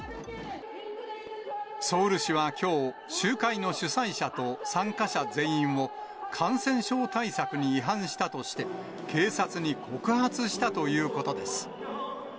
ソウル市はきょう、集会の主催者と参加者全員を、感染症対策に違反したとして、警察に告発したということです。